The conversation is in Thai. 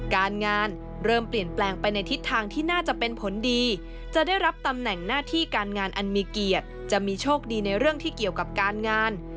การงานเริ่มเปลี่ยนแปลงไปในทิศทางที่น่าจะเป็นผลดีจะได้รับตำแหน่งหน้าที่การงานอันมีเกียรติจะมีโชคดีในเรื่องที่เกี่ยวกับการงาน